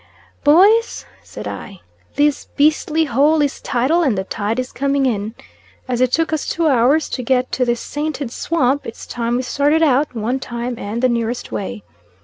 "Boys," said I, "this beastly hole is tidal, and the tide is coming in. As it took us two hours to get to this sainted swamp, it's time we started out, one time, and the nearest way.